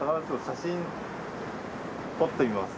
写真撮ってみます？